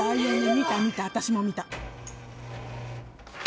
見た見た私も見た。